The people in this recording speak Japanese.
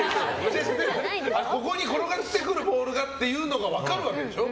ここに転がってくる、ボールがって分かるわけでしょ。